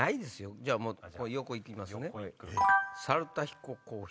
じゃあ横行きますね。